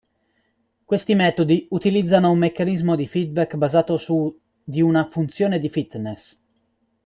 Questi metodi utilizzano un meccanismo di feedback basato su di una "funzione di fitness".